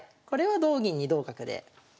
これは同銀に同角で。